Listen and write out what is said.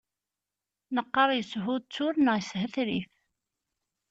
Neqqar yeshuttur neɣ yeshetrif.